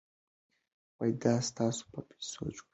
دا ستاسو په پیسو جوړ شوي.